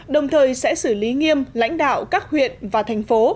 đồng thời sẽ xử lý nghiêm lãnh đạo các huyện và thành phố